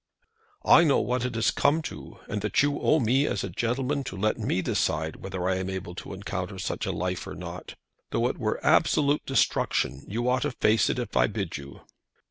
"I know what it has come to, and that you owe it to me as a gentleman to let me decide whether I am able to encounter such a life or not. Though it were absolute destruction, you ought to face it if I bid you."